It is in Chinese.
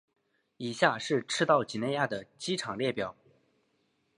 以下是赤道畿内亚的机场列表。